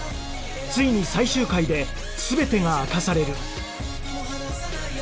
ついに最終回で全てが明かされる！